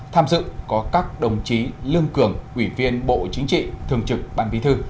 tham dự có các đồng chí lương cường ủy viên bộ chính trị thường trực ban bí thư